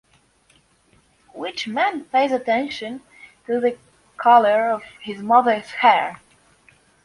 Which man pays attention to the color of his mother's hair?